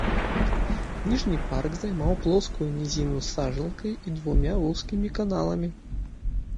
Ніжні парк займаў плоскую нізіну з сажалкай і двума вузкімі каналамі.